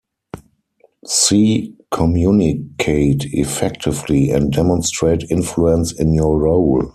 C. Communicate effectively and demonstrate influence in your role.